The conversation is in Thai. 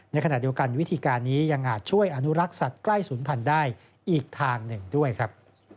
ในขณะเดียวกันวิธีการนี้ยังอาจช่วยอนุรักษ์สัตว์ใกล้ศูนย์พันธุ์ได้อีกทางหนึ่งด้วยครับ